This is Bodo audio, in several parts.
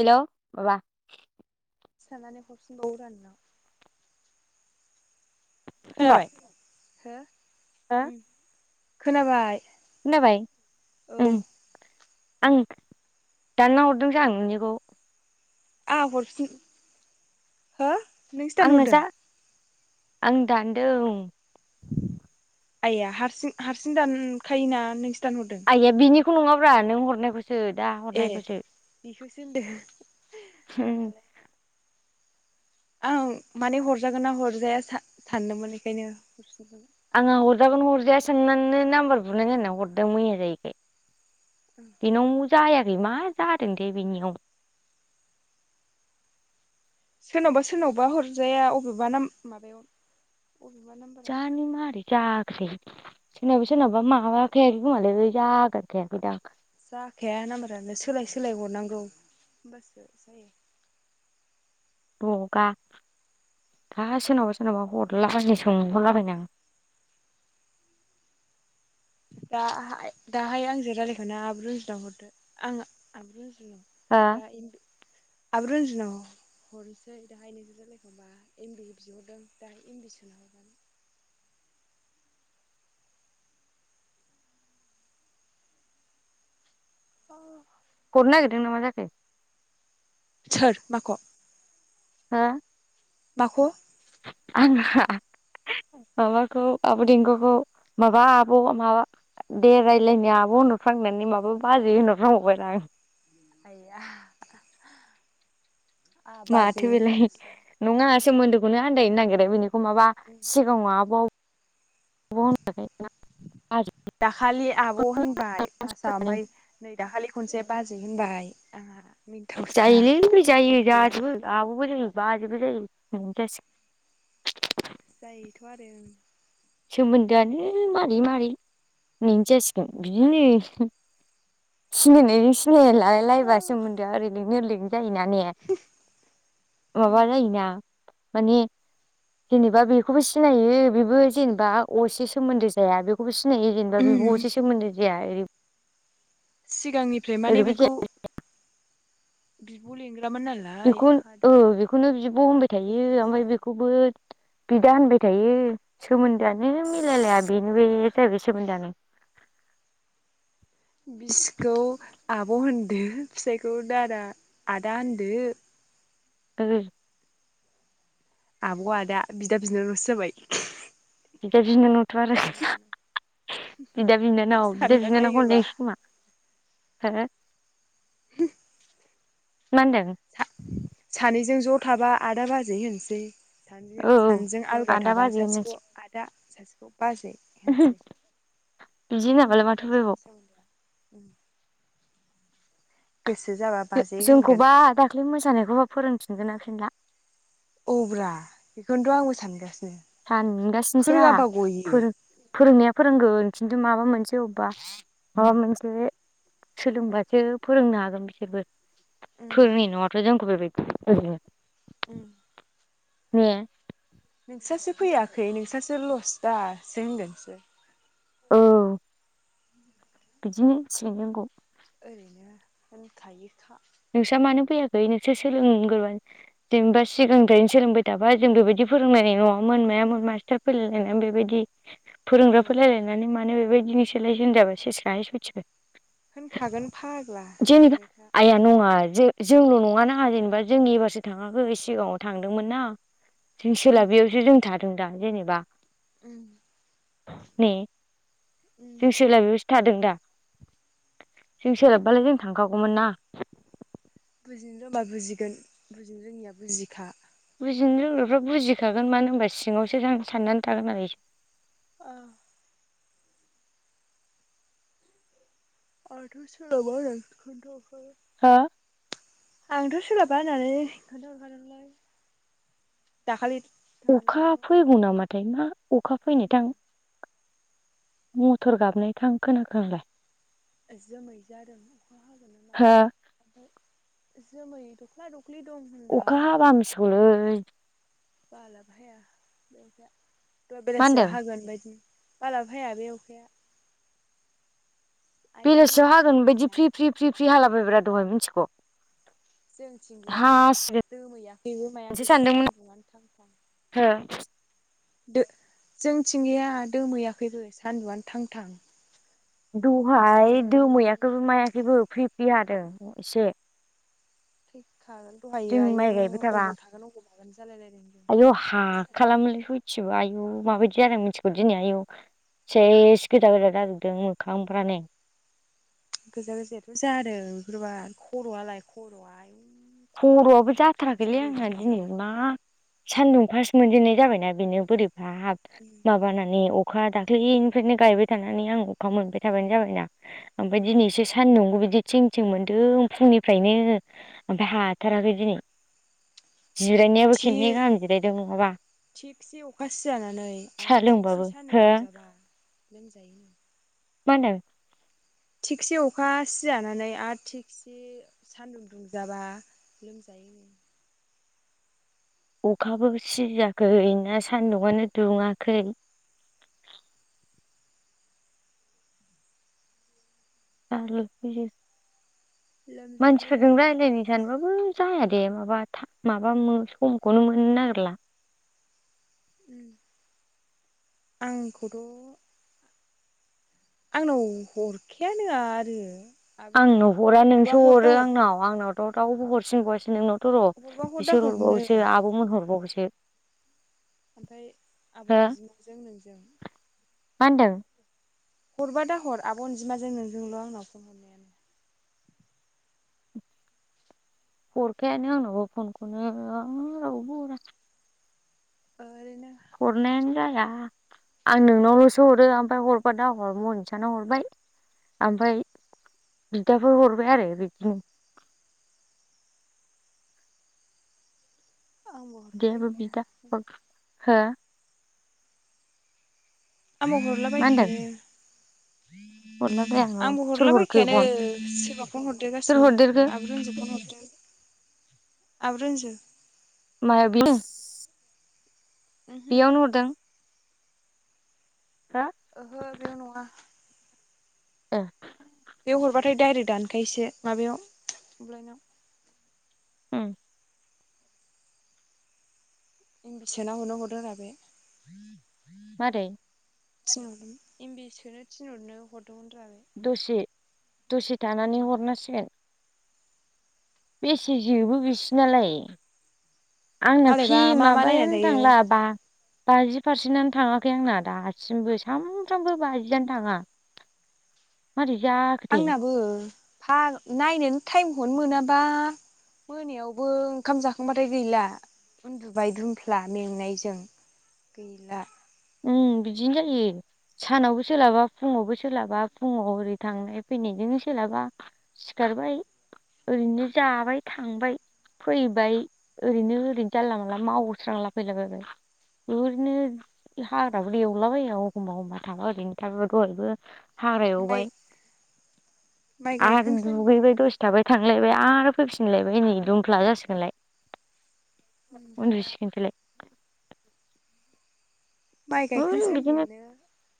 हेल' बाबा सानानै हाबसिनबावो रानाव खोनाबाय हो हा उम खोनाबाय खोनाबाय औ ओं आं दानना हरदोंसां नोंनिखौ आ हरफिन हो नोंसो आङो जा दानहरदों। आं दान्दों आइया हारसिं हारसिं दानखायो ना नोंसि आइया बिनिखौ नङाब्रा नों हरनायखौसो। सो दा ए हरनायखौसो बेखौसो होनदों आंहालाय आं माने हरजागोन ना हरजाया सानदोंमोन बेखायनो हरफिनदोंमोन आंहा आइथिं हरजागोन हरजाया साननानै नाम्बार बुनाय होनना हरदों मैया जायैखाय ओं बिनाव जायाखै मा जादों दे बेनियाव सोरनावबा सोरनावबा हरजाया अबेबा ना माबायाव अबेबा नाम्बाराव जानि मारि जाख्रे सिनाबा सिनाबा माबाखायाखैखोमालै जागद्राय खायाखैदां जाखाया नामबारानो सोलाय सोलाय हरनांगौ होमबासो जायो हगा दा सोरनावबा सोरनावबा हरलाबायै सोंहरलाबायनो आं [unintelligible] दाहाय दाहाय आंजों रायलायखखौनो आब रनजिता हरदो आं आब रनजि आं दा आब रनजिनाव हरनोसै दाहाय नोंजों रायलायखांबा एमबि बिहरदों दाहाय एमबि सोनो हरगोन। [unintelligible] औ। हरनो नागिरदों नामा जाखो सोर माक हा माख आं हा माबाखौ आब देंखोखौ माबा आब माबा दे रायज्लायनि आब होनहरफ्लांनानै माबा बाजै होनहरफांबाय ब्रा आं [inaudible] बाजै माथो बेलाय होनहरगासिनो नङा दामानि सोमोन्दोखौनो आन्दायनो नागिरो बेनिखो माबा सिगाङाव आबाव [unintelligible] दाखालि आब होनबाय फास्टाव ओमफ्राय नै दाखालि खनसे बाजै [inaudible] जायोलैै जायो गद गैया जाजोबो आबबो जायो। बाजैबो जायो [unintelligible] जायोथ आरो ओं। सोमोन्दोआनो मारै [unintelligible] जासिगोन बिदिनो सिनायनायजों सिना य लायलायबा सोमोनदोआ ओरै लिंनो ओरै लिं जायोना ने? अ माबा जायोना माने जेनेबा बेखौबो सिनायो बेबो जेनेबा असे सोमोन्दो जाया बेखौबो सि सिनायो जेनेबा उम बेबो असे सोमोन्दो जाया ओरै सिगांनिफ्राय माने ओरैबो जाया बेखौ बिबलिङो बेखौ औ बेखौनो बिब होनमबाय थायो फंफ्रा ओमफ्राय फिसाया बेखौबो बिदा होनबाय थायो सोमोन्दोआनो मिलायलाया बिनो बेे जाहैबाय सोमोनदोआनो बिसिखौ आब होनदो फिसायखौ दादा आदा होनदो। ओ आब आदा बिदा बिनानावसो जाबाय। बिदा बिनावथ आरो। बिदा बिनानाव बिदा बिनानाव बिदा सानना बिनानाव [inaudible] नायोबा खोमा हो? मा होनदों? सानैजों ज थाबा आदा बाजै होनसै। सानैजों औ औ सानैजों आलदा आदा थाबा बाजै सासेखौ होननांसिगोन आदा सासेखौ बाजै होनसै। [unintelligible] जा होनाबालाय माथो मिनिथाव उफायबाव जोंना सोमोनदोआ औ। बाजै होनगोन जोंखौबा दाख्लै मोसानायखौबा फोरोंफिनगोन ना फिनला औब्रा बेखौनोथ आंबो सानगा सानगासिनोसै आहा फोर फोरोंनाया फोरोंगोन। खिन्थु माबा मोनसे अबेबा माबा मोनसे सोलोंबासो फोरोंनो हागोन बिसोरबो। उम फोरोंनाय नङाथ जोंखौ बेबायदि ओरैनो। उम। ने। नोंसोरसो फैयाखै नोंसोरसो लस दा सो होनगोनसो। औ बिदिनो होनसिगोन जोंखौ। ओरैनो होनखायोखा। नोंस्रा मानो फैयाखै नोंसोर सोलोंग्रोबाय जेनेबा सिगांनिफ्रायनो सोलोंबाय थाबा जों बेबायदि फोरोंनाय नङामोन मायामोन मास्टार फोयलायलायनानै बेबायदि औ फोरोंग्रा फोयलायनानै मानो बेबायदि नोंसोलाय होनजाबाय सेसखाहाय सुइथिबो। होनखागोन फाग्ला नायबाय था। मा जों जोंल' नङा नाङा जेनेबा जोंनि एबारसो थाङाखै सिगाङाव थांदोंमोन ना। जों उम सोलाबियावसो जों थादों दा जेनेबा। उम। ने। उम जों सोलाबैयावसो थादों दा जों सोलाोबबालाय जों थांखागौमोन ना। बुजिनो रोंबा बुजिगोन बुजिनो रोङिया बुजिखा बुजिनो रोंग्राफ्रा बुजिखागोन मानो होनबा सिङावसो साननानै थागोना आरो आ। आंथ' सोलाबा होना खोनथा हरखाबाय। हा? आंथ' सोलाबा होननानै खोनथाहरखादोंलै दाखालि। अखा थांनायावल' होनखादां फैगौ नामाथाय मा अखा फैनायथां मथर गाबनायथां खोनाखो आलाय। जोमै जादों अखा हाबोनो मोन हो ओमफ्राय जोमै दख्ला दख्लि दं होनदां अखा हाबा हामसिगोलै। बालाबो हाया बे दहाय मा बेलासियाव होनदों हागोन बायदिनो बालावबो हाया बे अखाया। बेलासियाव आयं हागोन बायदि सानदुङा फ्रि फ्रि फ्रि फ्रि हालाबायब्रा दहाय मिथिगौ जोंथिं गैया हासिगोनसो दोमैयाखैबो मायाखैबो सानदोंमोन सानदुङानो थां थां। हो जोंथिं गैया दोमैयाखैबो सानदुङानो थां थां। दहाय आयं दोमैयाखैबो मायाखैबो फ्रि फ्रि हादों एसे। थैखागोन दहायो जों आयु माइ गायबाय थाबा अबाव थागोन अबाव मागोन जालायलायदों जों। हा सानदुङा खालामोलै सयथिबो आयौ माबायदि जादों मिथिगौ दिनै आयौ। सेस गोजा गोजा जाजोबदों मोखांफ्रानो। गोजा गोजायाथ' जादों बिफोरबा खर'आलाय खर'आ खर'आ खर'आबो फ्रि फ्रि जाथाराखैलै बोरैबा आंहा दिनै मोनजोबदों मा सानदुं फार्स्ट मोनजेननाय जाबायना बेनो बोरैबा हाब उम माबानानै अखा दाख्लैनिफ्रायनो गायबाय थानानै आं अखा मोनबाय थाबोनाय जाबाय ना ओमफ्राय उम दिनैसो सानदुंबो बिदि थिं थिं मोनदों फुंनिफ्रायनो। ओमफ्राय हाथाराखै दिनै जिरायनायाबो खेनननै गाहाम जिरायदों नङाबा। थिखसे अखा सिजानानै साहा आरो थिखसे लोंबाबो सानदुं हो दुंजाबा लोमजायो। मा होनदों? थिगसे अखा सिजानानै आरो थिखसे सानदुं दुंजाबा लोमजायो। अखाबो सिजायाखै ना सानदुङानो दुङाखै। [inaudible] आ [unintelligible] लोमजाबाथाय मानसिफोरजों लोमजाबाय राय्लायनो सानबाबो जाया। दे माबा माबा समखौनो मोननो नागिरला। आंखौथ' आंनाव हरखायानो आरो। आब' आंनाव रुजाफोरा हरा हरबा नोंसो हर दा हरो हर आंनाव आंनावथ' रावबो हरसिन बावासो नोंनाव थ र' हरबा हर दा बिसोर हरनो हरबावोसो आब'मोन हरबावोसो। ओमफ्राय आब' हो बिमाजों नोंजों। मा होनदों? हरबा दा हर आब' अनजिमाजों नोंजोंल' आंनाव फन हरनायानो। हरखायानो आंनावबो फनखौनो रावबो हरा। आरो हरनानो जाया। आं नोंनावल'सो हरो ओमफफ्राय हरबा दा हर मनिसा सानाव हरबाय ओमफफ्राय बिदाफोर हरबाय आरो बिदिनो [inaudible] आंबो हरखाबायखाया। हा आंबो हरलाबायखायानो। हरला आंबो हरलाबायखायानो सोरबा फन हरदेर सोर गासिनो हरदेरखो अब रन्जित फन हरदों। [inaudible] आबरन्जो। मायाबिनो। ओहो बेयावनो हरदों। हो ओहो बेयाव नङा। ए ंखायसे माबायाव अ्लइनाव [unintelligible] [unintelligible] इं बिसोना हरनो हरदो आरो बे [unintelligible] मारै थिनहर एमबि एस खौनो थिनहरनो हरदोंमोन र [unintelligible] दसे दसे थानानै आंनिबा हरनासिगोन बेसे जेबो गैस नालाय [inaudible] आंनो फि मालायबा मा मा नायनानै माबायानो थायो थांला बा [inaudible] बाजि पारसेन्टआनो थाङाखै आंना दासिमबो सानफ्रामबो बाजिआानो थाङा मोर [unintelligible] आंनाबो फा नायनोनो टाइम हरनो मोनाबा मोनायावबो ओंखाम जाखांबाथाय गैला उन्दुबाय दुमफ्ला मेंनायजों गैला उ बिदिनो जायो सानावबो सोलाबा फुङावबो सोलाबा फुङाव ओरै थांनाय फैनाय बिदिनो सोलाबा सिखारबाय ओरैनो जाबाय थांबाय फैबाय ओरैनो ओरैनो जारला मालला मावस्रांला फैलाबायैबाय बेरनो हाग्राबो एवलाबाया एखमब्ला एखमबा थांा ओरैनो थाब दहायबो [unintelligible] हाग्र ओमफ्राय एवबाय माइ गायखां आरो दुगैबाय सान्दिया दसे थाबाय थांलायबाय आरो फैफिनलाय नै दुमख्ला जासिगोनलाय उन्दुसिगोन फैलाय [inaudible] माइ गायखां ओरै बिदिनो सान्दियानो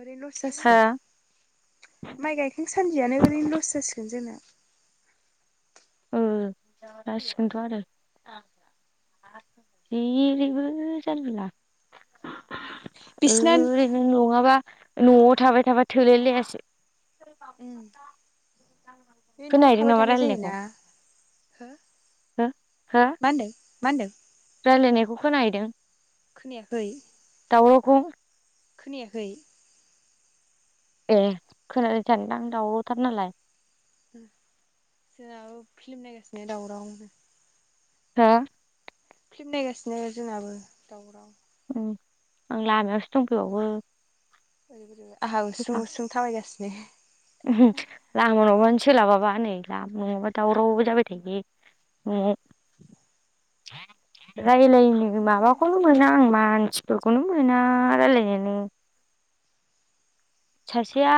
ओरैनो लस था जासिगोन [unintelligible] माइ गायखां सानदियानो ओरैनो लस जासिगोन जोंना औ र दवार [unintelligible] जिरिबो जलिला [unintelligible] बिसिना ओरैनो नङाबा न'आव थाबाय थाबा थोलाय लायासै [inaudible] बे न'आव खोनाहैदों थाबाय नामा थानाय जायोना हो [unintelligible] ह हा [unintelligible] मदों [unintelligible] राय्लायनायखौ खोनाहैदों खोनायाखै बररख [unintelligible] खोनायाखै ए खोनानो थानदां दाउथार नालाय [unintelligible] सोरनाबो फिल्म नायगासिनो दावराव [unintelligible] हा [unintelligible] फिल्म नायगासिनो जोंनाबो दावराव [unintelligible] आं लामायावसो दंफैबावो रैै आंहा उसुं उसुं थाबायगासिनो उहु लामनङाबानो सोलाबाबा नै। गैला नङाबा दावराव जाबाय थायो, न'आव। रायलायनो माबाखौनो मोना आं मानसिफोरखौ। खौनो मोना रालायनो नो। सासेया।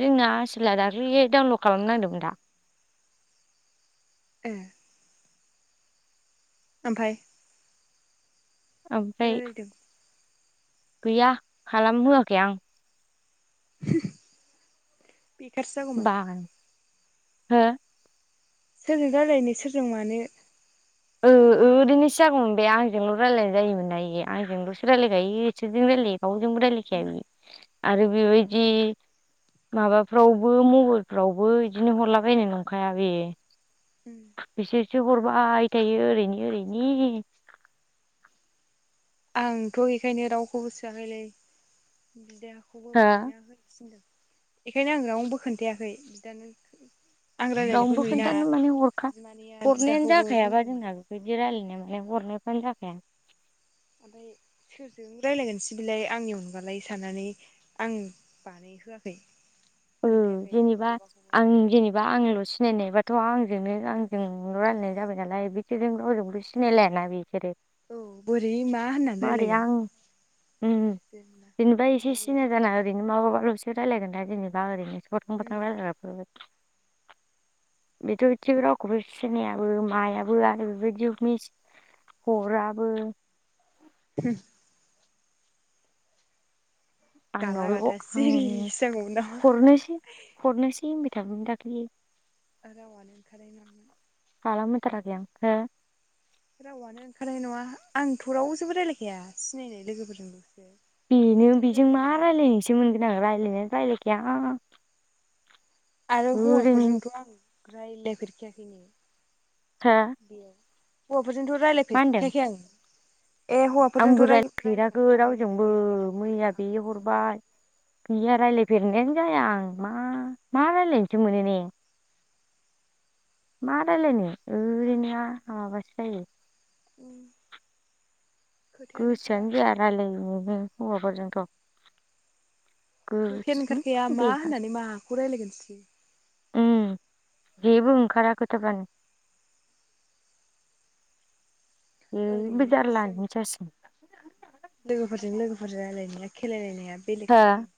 जोंना आसोला दाख्लैयै डाउनलड खालामनांदोंमोन दा। ए। ओमफाय। ओमफाय। गैया खालामहोआखै आं। बेखारसो जागौमोन। बानो हो। सोरजों रायलायनो सोरजों मानो। ओ सो जागौमोन ओरैनोसो जागौमोन बे आंजोंल' रायलायनाय जायोमोनना इयो आंजोंल'सो रायलायजायो इसोरजों रायलाय रावजोंबो रायलायखाया उम बियो आरो बेबायदि माबाफ्रावबो मबाइलफ्रावबो इदिनो हरलाबायनाय नंखाया बेयो। उम सो हरबाय थायो ओरैनी ओरैनि। आंथ' एखायनो रावखौबो सोआखैलै [inaudible] ग्रुबाव हो बानायना होनो थिनदों एखायनो आं रावनोबो खोन्थायाखै बिदानो [inaudible] रावनोबो नुयोना खोनथानो माने हरखा बिमानैया हरनायानो बिदाखौबो जाखायाबा बुंदोंमोन जोंना बिदि रायलायनायाव हरनो [unintelligible] [inaudible] रायलायगोनसै बिलाय आंनि अनगालाय साननानै आं बानाय होआखै। ओ जेनेबा आं जेनेबा आंल'सो। नायनायबाथ' आंजोंनो आंजोंल' रायलायनाय जाबायनालाय बिसोरजों रावजों बो उम सिनायलायाना बिसोरो औ बोरै मा होननानै मारै रायलायगोन आं उम जोंना जेनेबा एसे खोथा गैया सिना बाथ्रा जाना गैया ओरैनो माबाबाल'सो रायलायगोन दा जेनेबा ओरैनो। [unintelligible] उम रायलायग्राफोर बेथ' इथिबो रावखौबो सिनायाबो मायाबो आनो बिदियावखि हराबो [inaudible] गाला आंनावल' गाथा आं सिरि जागौमोन नामा हरनोसै हरनोसै होनबाय थाबुं दाख्लैयो। आरावानो ओंखारलाय [inaudible] खालामहोथाराखै आं हो? रावानो ओंखारनाय नङा आंथ' रावजोंबो रायलायखाया सिनायनाय लोगोफोरजोंल'। बेनो बेजों मा रायलायनोसो मोनगोन आं रायलायनायानो रायलायखाया। आरो ओरैनो हो हौवाफोरजोंथ' आं रायलायफेरखायाखै। हा? फोरजोंथ' रायलायफेरखायाखै आं। ए हौवाफोरजोंथ' आंबो रायफेराखै रायलायफेरखायाखैनो रावजोंबो बिरदाव मैया बिरखां बे मोनजों हरबाय। गैया रायलायफेरनायानो जाया आं मा मा रायलायनोसो मोनो ने? मा रायलायनो ओरैनोआ माबासो जायो। उ। गोसोआनो जाया रालायनोनो हौवाफोरजोंथ'। खोथाया गुसुं ओंखारखैया मा बेखार होननानै माखौ रायलायगोनसै। उम जेबो ओंखारा खोथाफ्रानो। उम बे ओरैनो जों जारलानो जासिगोन। लोगोफोरजों लोगोफोर रायलायनाया खेलायलायनाया बेलेग हो जायो।